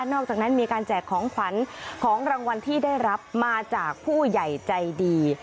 อกจากนั้นมีการแจกของขวัญของรางวัลที่ได้รับมาจากผู้ใหญ่ใจดี